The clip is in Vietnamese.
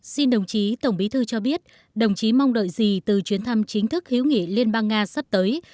xin đồng chí tổng bí thư cho biết đồng chí mong đợi gì từ chuyến thăm chính thức hữu nghị liên bang nga sắp tới